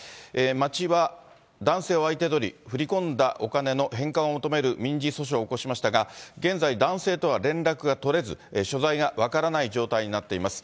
町は男性を相手取り、振り込んだお金の返還を求める民事訴訟を起こしましたが、現在、男性とは連絡が取れず、所在が分からない状態になっています。